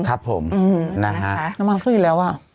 ครับผมน้ำมันขึ้นอีกแล้วอ่ะ